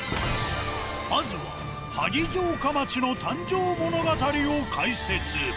まずは萩城下町の誕生物語を解説。